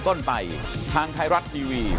ครับ